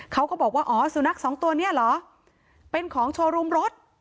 เขาก็บอกว่าอ๋อสุนัขสองตัวนี้เหรอเป็นของโชว์รูมรถ